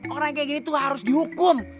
orang kayak gini tuh harus dihukum